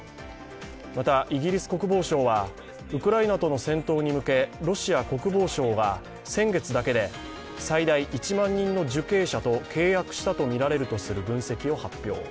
またイギリス国防省はウクライナとの戦闘に向けロシア国防省が先月だけで最大１万人の受刑者と契約したとみられるとする分析を発表。